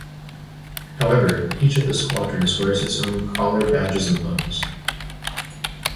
However, each of the Squadrons wears its own collar badges and buttons.